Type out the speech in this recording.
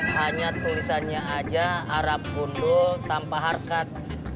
hanya tulisannya aja arab undul tanpa harkat